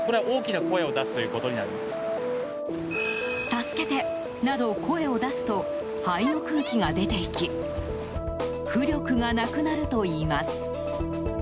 助けて、など声を出すと肺の空気が出て行き浮力がなくなるといいます。